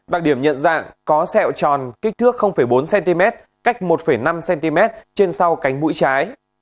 đặc điểm nhận dạng có sẹo tròn kích thước bốn cm cách một năm cm trên sau cánh mũi trái